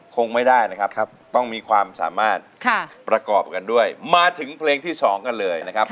ค่าแผ่นนี้ด้วยเลยครับ